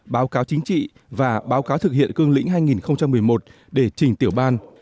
báo cáo chính trị và báo cáo thực hiện cương lĩnh hai nghìn một mươi một để trình tiểu ban